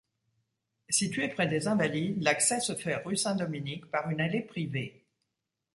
Situé près des Invalides, l'accès se fait rue Saint-Dominique par une allée privée.